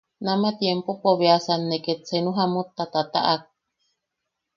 Nama tiempopo beasan ne ket senu jamutta ne tataʼak.